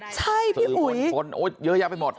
ใช่พี่อุ๋ยโอ๊ยเยอะแยะไปหมด